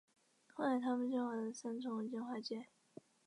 后来他们迁往三重金华街